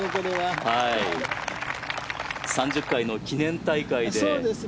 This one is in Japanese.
３０回の記念大会で。